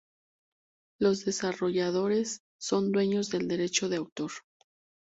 Los desarrolladores son dueños del derecho de autor.